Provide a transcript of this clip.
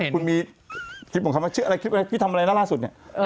คุณมีคลิปของเขาว่าชื่ออะไรคลิปอะไรพี่ทำอะไรนะล่าสุดเนี่ย